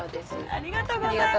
ありがとうございます